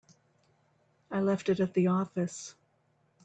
I left it at the office.